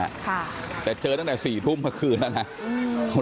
ค่ะแต่เจอตั้งแต่สี่ทุ่มเมื่อคืนนั้นนะอืม